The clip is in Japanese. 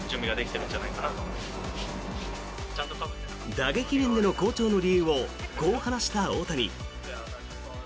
打撃面での好調の理由をこう話した大谷。